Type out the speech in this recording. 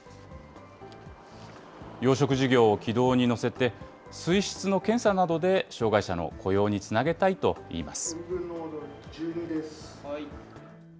養殖事業を軌道に乗せて、水質の検査などで障害者の雇用につなげたいといいます。